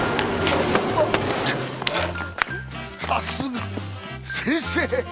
さすが先生！